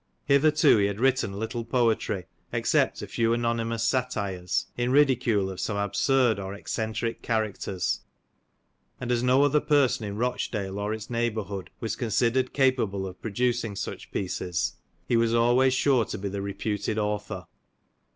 Hitherto he had written little poetry, except a few anony mous satires, in ridicule of some absurd or eccentric characters ; and as no other person in Eochdale or its neighbourhood was considered capable of producing such pieces, he was always sure to be the reputed author.